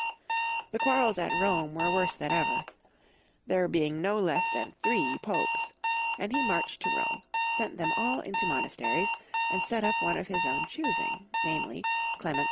The quarrels at Rome were worse than ever, there being no less than three Popes, and he marched to Rome, sent them all into monasteries, and set up one of his own choosing, namely, Clement II.